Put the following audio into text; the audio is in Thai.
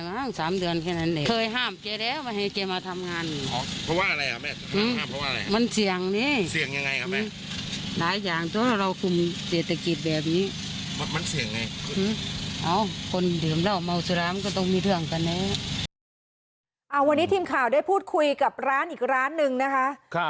วันนี้ทีมข่าวได้พูดคุยกับร้านอีกร้านหนึ่งนะคะ